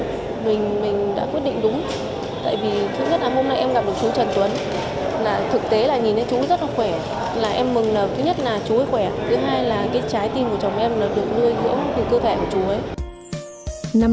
là thực tế là nhìn thấy chú rất là khỏe là em mừng là thứ nhất là chú ấy khỏe thứ hai là cái trái tim của chồng em là được nuôi dưỡng từ cơ thể của chú ấy